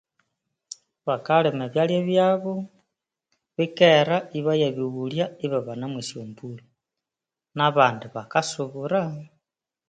Bakalima ebyalya byabu bikera ibayabighulya ibabana mwe syambulhu na bandi bakasubura